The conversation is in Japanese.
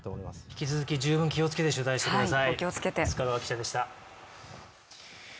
引き続き十分気をつけて取材してください。